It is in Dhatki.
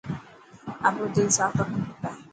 آپرو دل ساف رکڻ کپي.